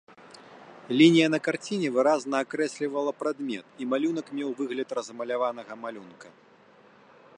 Лінія на карціне выразна акрэслівала прадмет, і малюнак меў выгляд размаляванага малюнка.